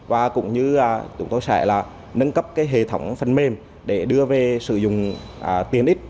và cũng như chúng tôi sẽ nâng cấp hệ thống phần mềm để đưa về sử dụng tiền ít